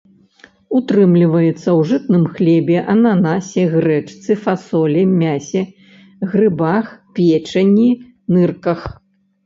Утрымліваецца ў жытнім хлебе, ананасе, грэчцы, фасолі, мясе, грыбах, печані, нырках.